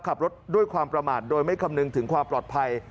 ขับรถด้วยความประมาทโดยไม่คำนึงถึงความปลอดภัย